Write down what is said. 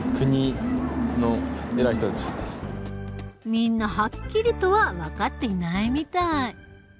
みんなはっきりとは分かっていないみたい。